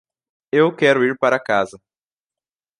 Eu quero ir para casa